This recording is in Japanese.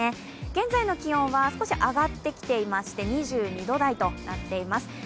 現在の気温は少し上がってきていまして、２２度台となっています。